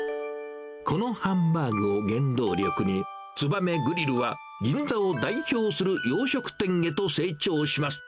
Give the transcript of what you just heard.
このハンバーグを原動力に、つばめグリルは銀座を代表する洋食店へと成長します。